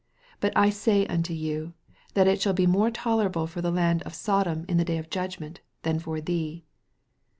But I say unto you, That it shall be more tolerable for the land of So dom in the day of judgment, than for thee."